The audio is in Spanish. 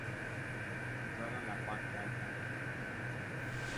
Situado en la parte alta de un tozal.